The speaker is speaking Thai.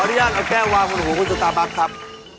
ขอที่เนื่องเอาแก้ววางข้างหัวคุณสตาร์บัคครับ